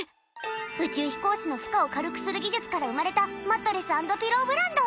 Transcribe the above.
宇宙飛行士の負荷を軽くする技術から生まれたマットレス＆ピローブランド！